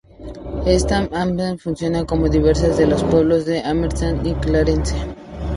East Amherst funciona como división de los pueblos de Amherst y Clarence.